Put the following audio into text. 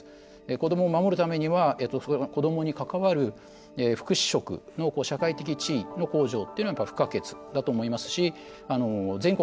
子どもを守るためには子どもに関わる福祉職の社会的地位の向上っていうのが不可欠だと思いますし全国